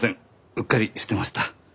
うっかりしてました。